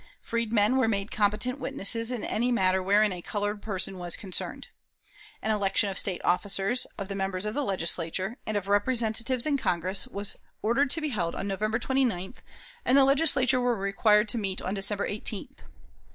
Freedmen were made competent witnesses in any matter wherein a colored person was concerned. An election of State officers, of the members of the Legislature, and of Representatives in Congress, was ordered to be held on November 29th, and the Legislature were required to meet on December 18th.